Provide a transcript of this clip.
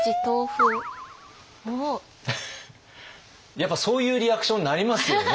やっぱそういうリアクションになりますよね。